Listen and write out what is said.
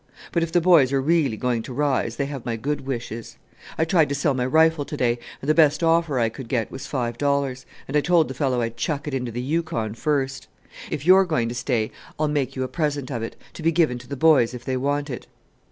But if the boys are really going to rise, they have my good wishes. I tried to sell my rifle to day, and the best offer I could get was five dollars and I told the fellow I'd chuck it into the Yukon first. If you are going to stay I'll make you a present of it, to be given to the boys if they want it."